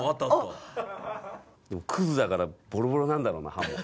でもクズだからボロボロなんだろうな歯も。